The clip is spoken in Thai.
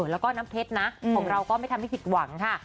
แล้วก็น้ำเพชรนะของเราก็ไม่ทำให้ผิดหวังค่ะ